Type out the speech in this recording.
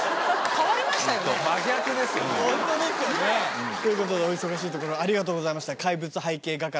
ホントですよね。ということでお忙しいところありがとうございました。